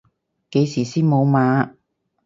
幾時先無碼？